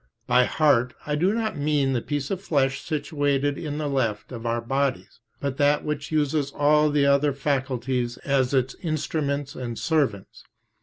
By "heart" I do not mean the piece of flesh situated in the left of our bodies, but that which uses all the other faculties as its instruments and servants.